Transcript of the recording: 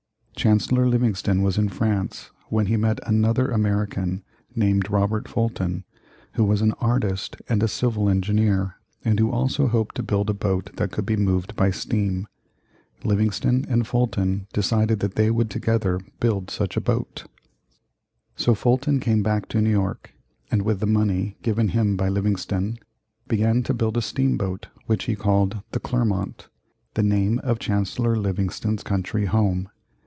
Chancellor Livingston was in France when he met another American, named Robert Fulton, who was an artist and a civil engineer, and who also hoped to build a boat that could be moved by steam. Livingston and Fulton decided that they would together build such a boat. [Illustration: The Clermont, Fulton's First Steam Boat.] So Fulton came back to New York and with the money given him by Livingston began to build a steam boat which he called the Clermont the name of Chancellor Livingston's country home.